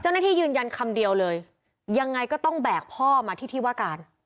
ยืนยันคำเดียวเลยยังไงก็ต้องแบกพ่อมาที่ที่ว่าการ